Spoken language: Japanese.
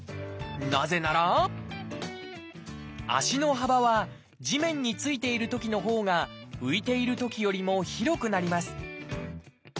なぜなら足の幅は地面に着いているときのほうが浮いているときよりも広くなります